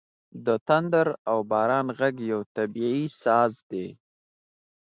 • د تندر او باران ږغ یو طبیعي ساز دی.